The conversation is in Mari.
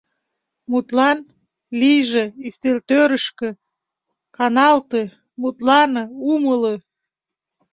— Мутлан: ли́йжЫ, ӱстелтӧрышкЫ, каналтЫ, мутланЫ, умылЫ...